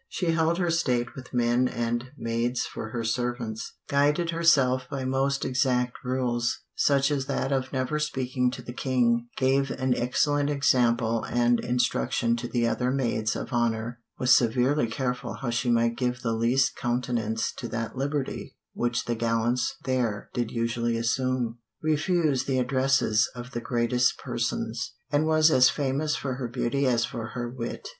She held her state with men and maids for her servants, guided herself by most exact rules, such as that of never speaking to the King, gave an excellent example and instruction to the other maids of honour, was "severely careful how she might give the least countenance to that liberty which the gallants there did usually assume," refused the addresses of the "greatest persons," and was as famous for her beauty as for her wit.